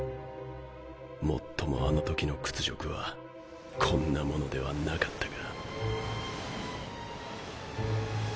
もっともあの時の屈辱はこんなものではなかったが。